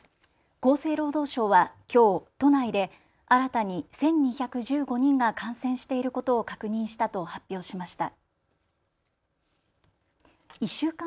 厚生労働省はきょう都内で新たに１２１５人が感染していることを確認したと発表しました。